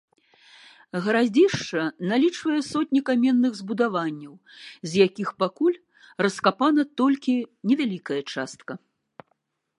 Гарадзішча налічвае сотні каменных збудаванняў, з якіх пакуль раскапаная толькі невялікая частка.